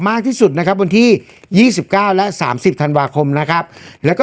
มากที่สุดนะครับวันที่ยี่สิบเก้าและสามสิบธันวาคมนะครับแล้วก็